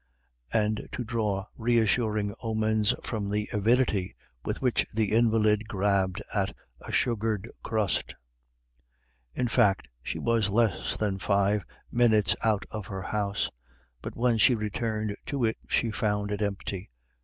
and to draw reassuring omens from the avidity with which the invalid grabbed at a sugared crust. In fact, she was less than five minutes out of her house; but when she returned to it, she found it empty.